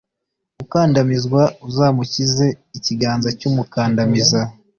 ukandamizwa, uzamukize ikiganza cy'umukandamiza